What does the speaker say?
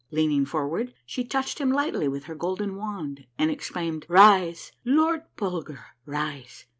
Leaning forward she touched him lightly with her golden wand, and exclaimed, " Rise, Lord Bulger, rise